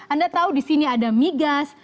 anda tahu di sini ada migas